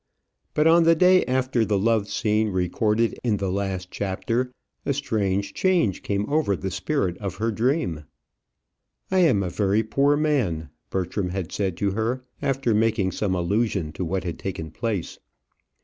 But on the day after the love scene recorded in the last chapter, a strange change came over the spirit of her dream. "I am a very poor man," Bertram had said to her, after making some allusion to what had taken place.